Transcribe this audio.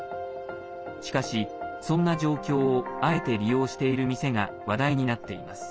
しかし、そんな状況をあえて利用している店が話題になっています。